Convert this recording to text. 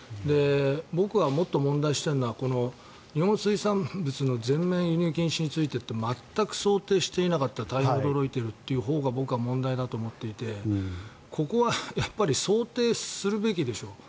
僕はもっと問題視しているのは日本の水産物の全面輸入禁止について全く想定していなかった大変驚いているというほうが僕は問題だと思っていてここは想定するべきでしょう。